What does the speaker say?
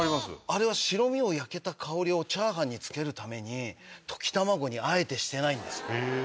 あれ白身の焼けた香りをチャーハンにつけるために溶き卵にあえてしてないんです。